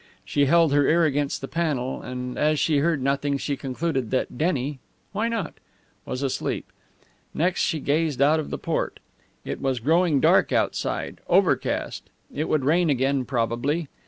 She held her ear against the panel, and as she heard nothing she concluded that Denny why not? was asleep. Next she gazed out of the port. It was growing dark outside, overcast. It would rain again probably.